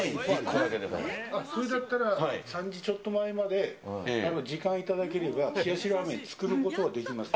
それだったら、３時ちょっと前まで時間いただければ、冷やしラーメン作ることはほんまですか？